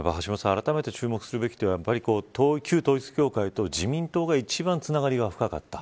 あらためて注目するべき点は旧統一教会と自民党が一番つながりが深かった。